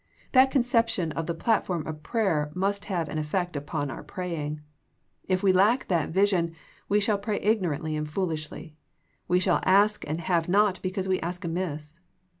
That con ception of the platform of prayer must have an effect upon our praying. If we lack that vision we shall pray ignorantly and foolishly. We shall ask and have not because we ask amiss.